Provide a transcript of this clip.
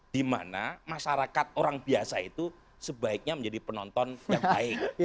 dimana masyarakat orang biasa itu sebaiknya menjadi penonton yang baik